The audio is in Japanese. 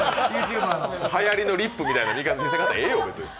はやりのリップみたいな見せ方、ええよ。